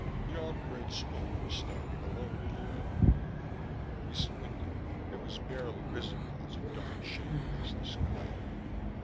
"Yon great stone, standing alone in the Avenue." We squinted; it was barely visible as a dark shape against the sky.